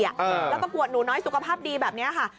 แล้วก็กวดหนูน้อยสุขภาพดีแบบนี้ค่ะ